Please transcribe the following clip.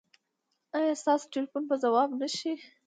ایا ستاسو ټیلیفون به ځواب نه شي؟